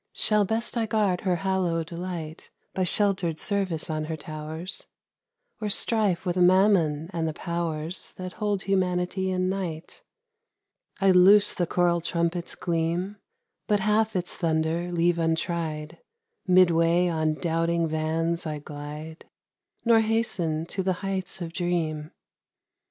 Shall best I guard her hallowed light By sheltered service on her tow'rs, Or strife with Mammon and the pow'rs That hold humanity in night ? I loose the choral trumpet's gleam, But half its thunder leave untried ; Midway on doubting vans I glide, Nor hasten to the heights of dream.